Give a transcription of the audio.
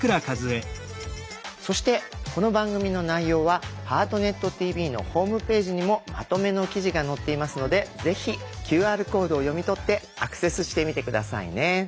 そしてこの番組の内容は「ハートネットＴＶ」のホームページにもまとめの記事が載っていますのでぜひＱＲコードを読み取ってアクセスしてみて下さいね。